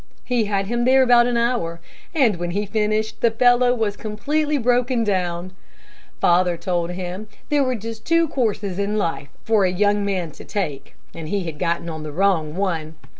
He had him there about an hour, and when he finished, the fellow was completely broken down. Father told him that there were just two courses in life for a young man to take, and he had gotten on the wrong one.